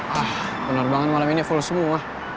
wah penerbangan malam ini full semua